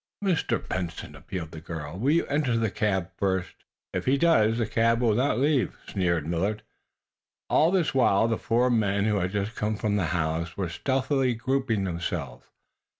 "Mr. Benson," appealed the girl, "will you enter the cab first?" "If he does, the cab will not leave," sneered Millard. All this while the four men who had just come from the house were stealthily grouping themselves.